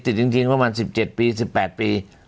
จริงประมาณ๑๗ปี๑๘ปี